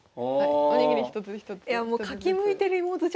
お握り一つ一つ。